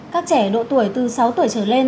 các trẻ độ tuổi từ sáu tuổi trở lên